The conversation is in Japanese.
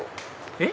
えっ？